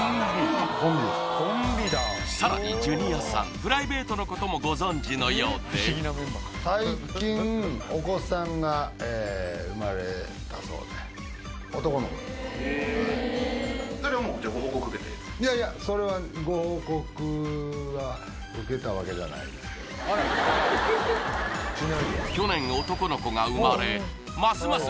さらにジュニアさんプライベートのこともご存じのようでいやいやそれは去年男の子が生まれますます